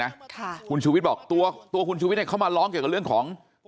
มันพูดในรายการเอง